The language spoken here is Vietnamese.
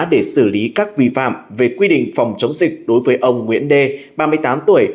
để xử lý các vi phạm về quy định phòng chống dịch đối với ông nguyễn đê ba mươi tám tuổi